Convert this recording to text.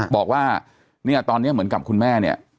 บอกว่าเนี่ยตอนนี้เหมือนกับคุณแม่เนี่ย